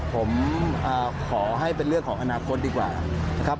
ผมขอให้เป็นเรื่องของอนาคตดีกว่านะครับ